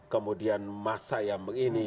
kemudian massa yang begini